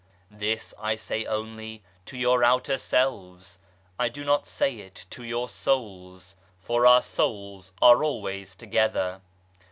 This I say only to your outer selves ; I do not say it to your souls, for our souls are always together.